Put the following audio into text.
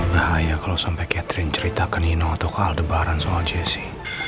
bahaya kalau sampai catherine cerita ke nino atau ke aldebaran sama jessy